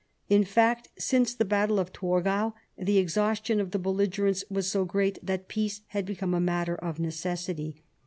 In fact since the battle of Torgau the exhaustion of all the belligerents was so great that peace had become a matter of necessity.